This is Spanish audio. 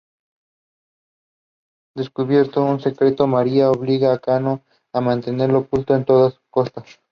Descubierto su secreto, Mariya obliga a Kanako a mantenerlo oculto a toda costa.